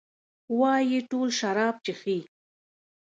وايي ټول شراب چښي.